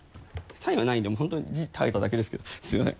サインはないんでもう本当に字書いただけですけどすみません。